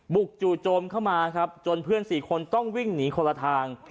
จู่โจมเข้ามาครับจนเพื่อน๔คนต้องวิ่งหนีคนละทาง